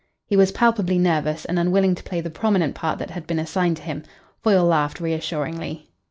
He was palpably nervous and unwilling to play the prominent part that had been assigned to him. Foyle laughed reassuringly.